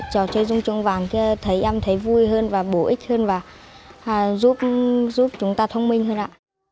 trò chơi dung chuông vàng thấy em thấy vui hơn và bổ ích hơn và giúp chúng ta thông minh hơn ạ